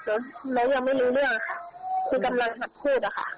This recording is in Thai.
น้องยังไม่รู้เรื่องค่ะคือกำลังหัดพูดอะค่ะ